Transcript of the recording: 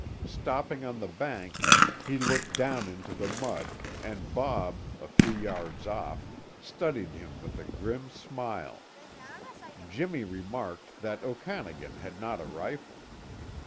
Stopping on the bank, he looked down into the mud, and Bob, a few yards off, studied him with a grim smile. Jimmy remarked that Okanagan had not a rifle.